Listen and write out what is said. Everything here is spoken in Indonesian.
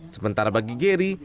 sementara bagi geri